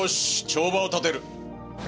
帳場を立てる。